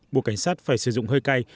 buộc cảnh sát phải sử dụng hơi cay